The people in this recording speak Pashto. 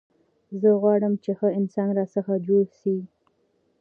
زه غواړم، چي ښه انسان راڅخه جوړ سي.